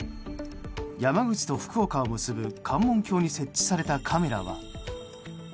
山口と福岡を結ぶ関門橋に設置されたカメラは。